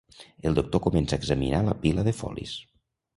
El doctor comença a examinar la pila de folis.